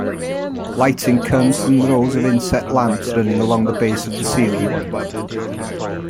Lighting comes from rows of inset lamps running along the base of the ceiling.